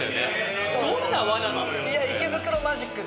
どんなわななの？